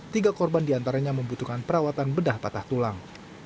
tiga korban diantaranya membutuhkan perawatan bedah patah tulang